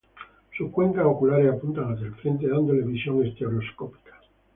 Sus cuencas oculares apuntan hacia el frente, dándole visión estereoscópica.